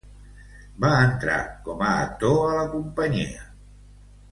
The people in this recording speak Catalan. Va entrar com a actor a la Cía.